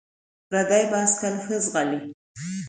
ـ پردى بايسکل ښه ځغلي.